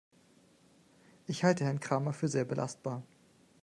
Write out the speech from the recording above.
Ich halte Herrn Kramer für sehr belastbar.